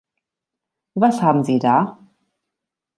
Was haben Sie da?